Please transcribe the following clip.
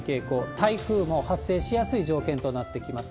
台風も発生しやすい条件となってきます。